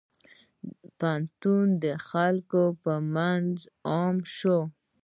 پوهنتون د خلکو په منځ عام شوی.